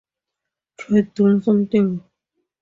Try doing something.